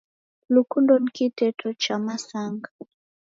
Lukundo ni kiteto cha masanga